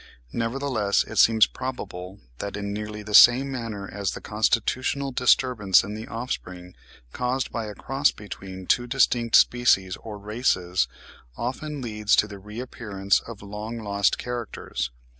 Nevertheless, it seems probable, that in nearly the same manner as the constitutional disturbance in the offspring, caused by a cross between two distinct species or races, often leads to the reappearance of long lost characters (19.